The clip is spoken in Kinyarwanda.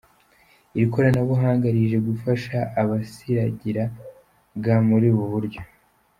Iri koranabuhanga rije gufasha abasiragiraga muri ubu buryo.